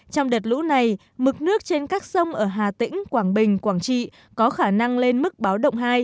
trong đợt lũ này mực nước trên các sông ở hà tĩnh quảng bình quảng trị có khả năng lên mức báo động hai